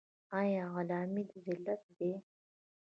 آیا غلامي ذلت دی؟